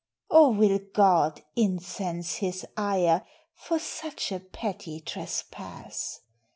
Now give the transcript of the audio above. or will God incense his ire For such a petty trespass?